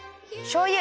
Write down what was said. しょうゆ。